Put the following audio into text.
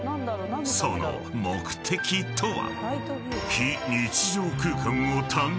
［その目的とは？］